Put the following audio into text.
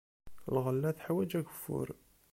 Lɣella teḥwaj ageffur.